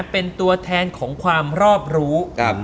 เป็นตัวแทนของความรอบรู้